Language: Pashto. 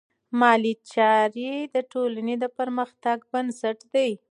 مالي چارې د ټولنې د پرمختګ بنسټ دی.